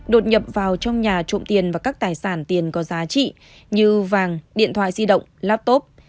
đột nhập vào trong nhà trộm tiền và các tài sản tiền có giá trị như vàng điện thoại di động laptop